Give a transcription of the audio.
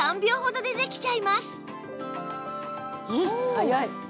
早い。